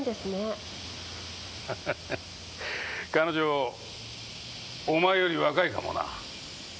彼女お前より若いかもな。